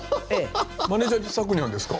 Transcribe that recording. マネージャーにさくにゃんですか？